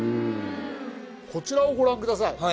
こちらをご覧ください。